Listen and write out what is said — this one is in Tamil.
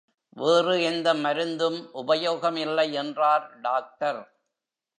வேறு எந்த மருந்தும் உபயோகமில்லை என்றார் டாக்டர்.